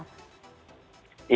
ya menjawab kritik